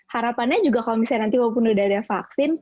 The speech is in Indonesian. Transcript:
harapannya juga kalau misalnya nanti walaupun udah ada vaksin